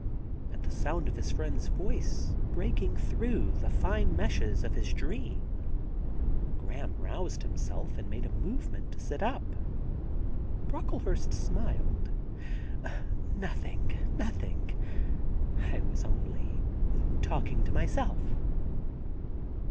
At the sound of his friend's voice breaking through the fine meshes of his dream, Graham roused himself and made a move ment to sit up. Brocklehurst smiled. * Nothing — nothing. I was only talking to myself.'